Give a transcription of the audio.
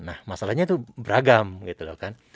nah masalahnya itu beragam gitu loh kan